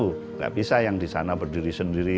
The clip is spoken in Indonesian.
tidak bisa yang di sana berdiri sendiri